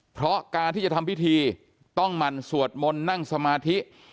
เพราะการที่จะทำพิธีต้องหมั่นสวดมนต์นั่งสมาธิ